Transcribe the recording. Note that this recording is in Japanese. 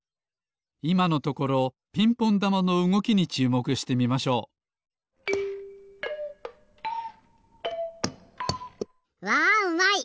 いまのところピンポンだまのうごきにちゅうもくしてみましょうわうまい！